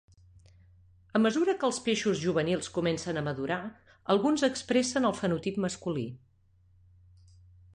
A mesura que els peixos juvenils comencen a madurar, alguns expressen el fenotip masculí.